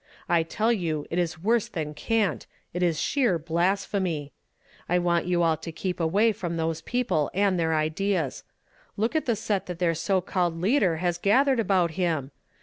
I tell you it is worse than cant; it is sheer blasphemy ! I want you all to keep away from those people and their ideas. Look at the set that their so called leader has gathered about him!